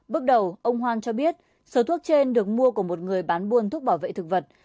bước đầu ông hoàng cho biết số thuốc trên được mua của một người bán buôn thuốc bảo vệ thực vật